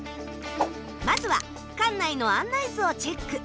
まずは館内の案内図をチェック。